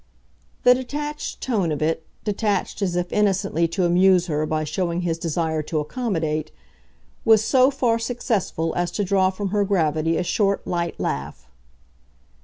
The detached tone of it detached as if innocently to amuse her by showing his desire to accommodate was so far successful as to draw from her gravity a short, light laugh.